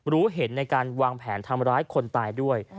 รู้เห็นในการวางแผนทำร้ายคนตายด้วย